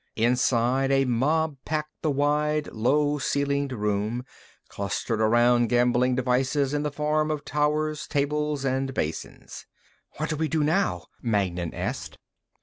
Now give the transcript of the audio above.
Inside, a mob packed the wide, low ceilinged room, clustered around gambling devices in the form of towers, tables and basins. "What do we do now?" Magnan asked.